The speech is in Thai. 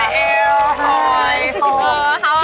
ฮ่อยเอวฮ่อยโฮ